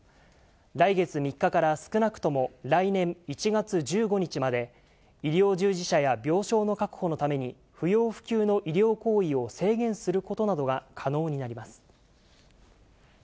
来月３日から少なくとも来年１月１５日まで、医療従事者や病床の確保のために、不要不急の医療行為を制限することなどが可能になります。